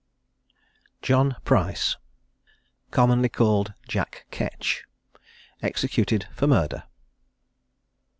JOHN PRICE. COMMONLY CALLED JACK KETCH, EXECUTED FOR MURDER.